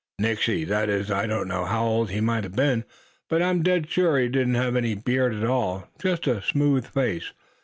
"Nixey; that is I don't know how old he might a been; but I'm dead sure he didn't have any beard at all, just a smooth face.